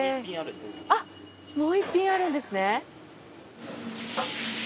あっもう一品あるんですね？